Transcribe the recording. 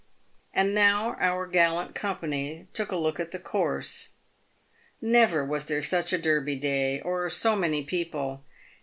And now our gallant company took a look at the course. Never was there such a Derby Day, or so many people.